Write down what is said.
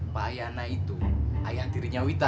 pak yana itu ayah tirinya wita